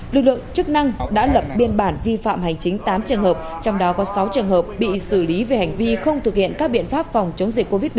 lực lượng chức năng đã lập biên bản vi phạm hành chính tám trường hợp trong đó có sáu trường hợp bị xử lý về hành vi không thực hiện các biện pháp phòng chống dịch covid một mươi chín